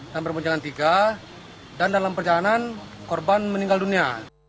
dan berboncengan tiga dan dalam perjalanan korban meninggal dunia